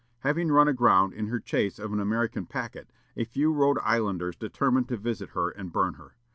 Having run aground in her chase of an American packet, a few Rhode Islanders determined to visit her and burn her.